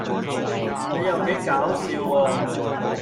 你又幾搞笑喎